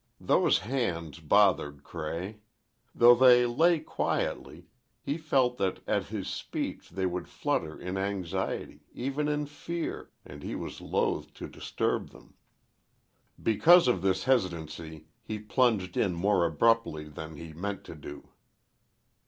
Those hands bothered Cray. Though they lay quietly, he felt that at his speech they would flutter in anxiety—even in fear, and he was loath to disturb them. Because of this hesitancy, he plunged in more abruptly than he meant to do.